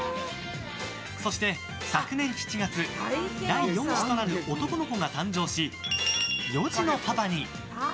そして昨年７月、第４子となる男の子が誕生し、４児のパパに。